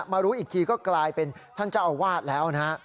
มารู้อีกทีก็กลายเป็นท่านเจ้าอาวาสแล้วนะฮะ